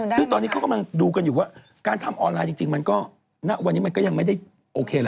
ซึ่งตอนนี้เขากำลังดูกันอยู่ว่าการทำออนไลน์จริงมันก็ณวันนี้มันก็ยังไม่ได้โอเคละ